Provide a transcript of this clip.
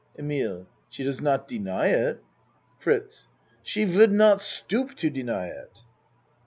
EMILE She does not deny it. FRITZ She would not stoop to deny it.